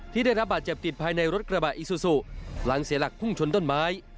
ได้รับบาดเจ็บติดภายในรถกระบะอิซูซูหลังเสียหลักพุ่งชนต้นไม้